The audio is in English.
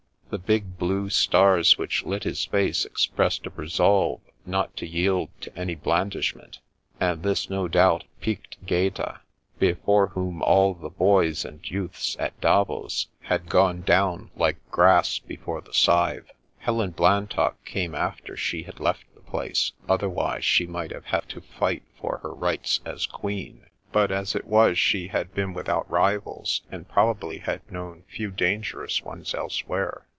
The big blue stars which lit his face expressed a resolve not to yield to any blandishment, and this no doubt piqued Gaeta, before whom all the boys and youths at Davos had gone down like grass before the scythe. Helen Blantock came after she had left the place, otherwise she might have had to fight for her rights as queen ; but as it was, she had bmi without rivals and probably had known few dangerous ones elsewhere.